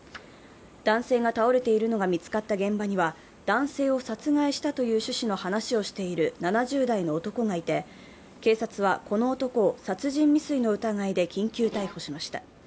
男性が倒れているのが見つかった現場には、男性を殺害したという趣旨の話をしている７０代の男がいて、警察は、この男を殺人未遂の疑いで緊急逮捕しました。